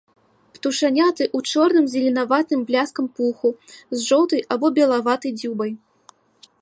Птушаняты ў чорным з зеленаватым бляскам пуху, з жоўтай або белаватай дзюбай.